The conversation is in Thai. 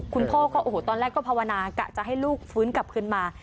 คุณพ่อก็โอ้โหตอนแรกก็ภาวนากะจะให้ลูกฟื้นกลับขึ้นมา